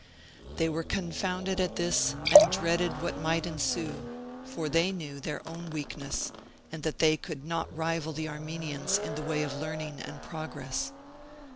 They were confounded at this, and dreaded what might ensue, for they knew their own weakness and that they could not rival the Armenians in the way of learning and progress.